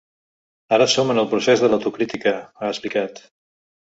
Ara som en el procés de l’autocrítica, ha explicat.